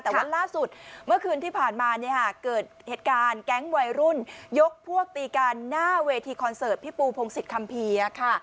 แต่วันล่าสุดเมื่อคืนที่ผ่านมาเนี่ยค่ะเกิดเหตุการณ์แก๊งวัยรุ่นยกพวกตีกันหน้าเวทีคอนเสิร์ตพี่ปูพงศิษยคัมภีร์ค่ะ